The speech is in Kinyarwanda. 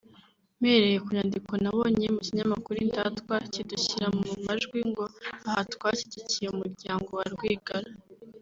Mpereye ku nyandiko nabonye mu kinyamakuru «Indatwa» kidushyira mu majwi ngo aha twashyigikiye umuryango wa Rwigara